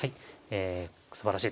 すばらしい。